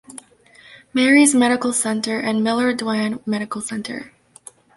Mary's Medical Center and Miller-Dwan Medical Center.